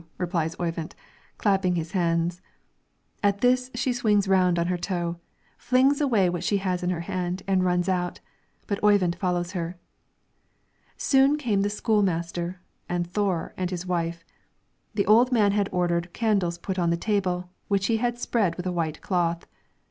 replies Oyvind, clapping his hands. At this she swings round on her toe, flings away what she has in her hand, and runs out; but Oyvind follows her. Soon came the school master, and Thore and his wife. The old man had ordered candles put on the table, which he had had spread with a white cloth.